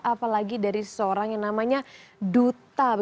apalagi dari seorang yang namanya duta